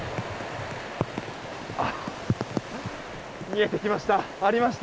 見えてきました。